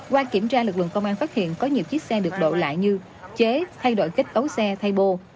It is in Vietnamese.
qua kiểm tra lực lượng công an phát hiện có nhiều chiếc xe được độ lại như chế thay đổi kích ấu xe thay bồ